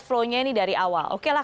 flow nya ini dari awal oke lah